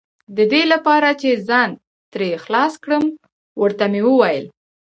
د دې لپاره چې ځان ترې خلاص کړم، ور ته مې وویل.